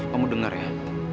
kamu dengar ya